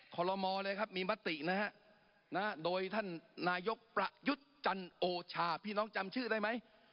ขอรมอเลยครับมีมตินะฮะโดยท่านนายกประยุทธ์จันโอชาพี่น้องจำชื่อได้ไหม